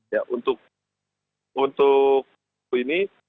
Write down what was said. ya untuk ini